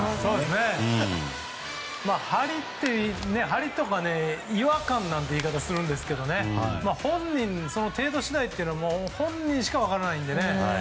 張りとか違和感なんて言い方をするんですけどその程度というのは本人しか分からないのでね。